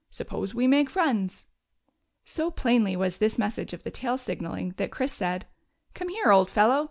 Sup pose we make friends ?" So plainly was this the message of the tail signaling that Chris said :" Come here, old fellow.